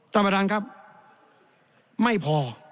ต้องประทานครับไม่พอ